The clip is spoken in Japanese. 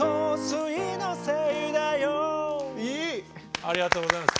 ありがとうございます。